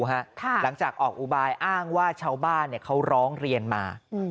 หลังจากออกอุบายอ้างว่าชาวบ้านเขาร้องเรียนมา